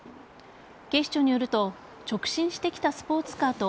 警視庁によると直進してきたスポーツカーと